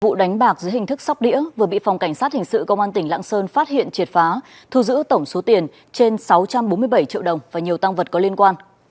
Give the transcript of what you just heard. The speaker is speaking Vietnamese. vụ đánh bạc dưới hình thức sóc đĩa vừa bị phòng cảnh sát hình sự công an tỉnh lạng sơn phát hiện triệt phá thu giữ tổng số tiền trên sáu trăm bốn mươi bảy triệu đồng và nhiều tăng vật có liên quan